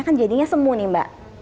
kan jadinya semu nih mbak